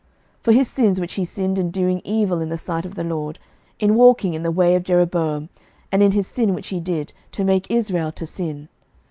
11:016:019 For his sins which he sinned in doing evil in the sight of the LORD, in walking in the way of Jeroboam, and in his sin which he did, to make Israel to sin.